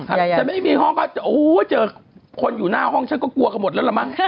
จะไม่มีห้องก็โอ้โหเจอคนอยู่หน้าห้องฉันก็กลัวกันหมดแล้วล่ะมั้ง